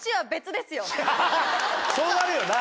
そうなるよな。